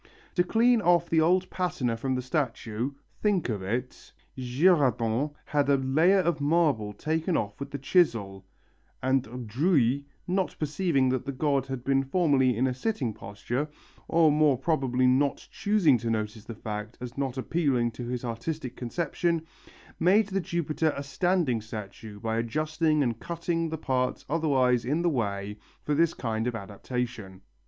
To clean off the old patina from the statue think of it Girardon had a layer of marble taken off with the chisel, and Drouilly, not perceiving that the god had been formerly in a sitting posture, or more probably not choosing to notice the fact as not appealing to his artistic conception, made the Jupiter a standing statue by adjusting and cutting the parts otherwise in the way for this kind of adaptation.